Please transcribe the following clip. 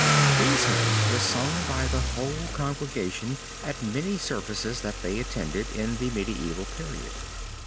These hymns were sung by the whole congregation at the many services that they attended in the medieval period.